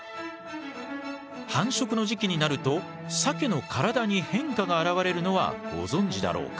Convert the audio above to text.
繁殖の時期になるとサケの体に変化が現れるのはご存じだろうか。